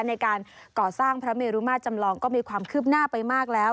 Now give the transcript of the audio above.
ในการก่อสร้างพระเมรุมาจำลองก็มีความคืบหน้าไปมากแล้ว